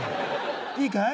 いいかい？